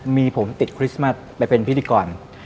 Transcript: มีผมติดคริสต์มัสไปเป็นพิธีกร